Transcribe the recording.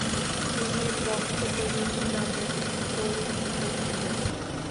তিনি ভক্তকবি নামে পরিচিত ছিলেন।